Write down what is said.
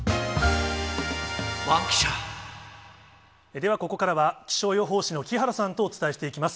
ではここからは、気象予報士の木原さんとお伝えしていきます。